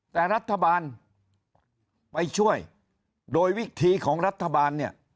แต่รัฐบาลไปช่วยโดยวิธีของรัฐบาลเนี่ย